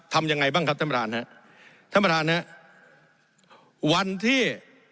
ทำยังไงบ้างครับท่านประธานฮะท่านประธานฮะวันที่